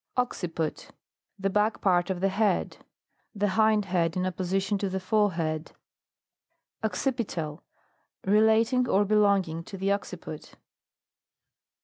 OCCIPUT. The back part of the head. The hind head in opposition to the lore head. OCCIPITAL. Relating or belonging to the occiput.